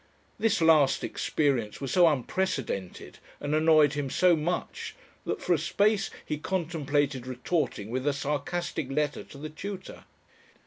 This last experience was so unprecedented and annoyed him so much that for a space he contemplated retorting with a sarcastic letter to the tutor.